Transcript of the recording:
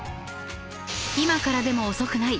［今からでも遅くない！